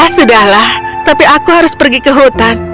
ya sudahlah tapi aku harus pergi ke hutan